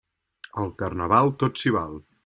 Al Carnaval, tot s'hi val.